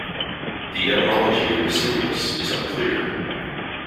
The etymology of "basileus" is unclear.